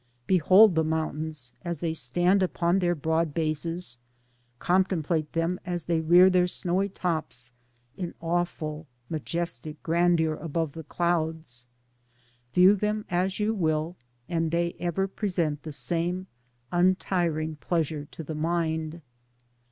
Behold the mountains as they stand upon their broad bases, contemplate them as they rear their snowy tops in awful, majestic grandeur above the clouds, view them as you will, and they ever present the same un tiring pleasure to the mind.